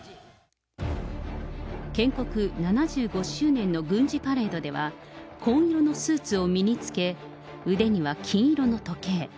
建国７５周年の軍事パレードでは、紺色のスーツを身に着け、腕には金色の時計。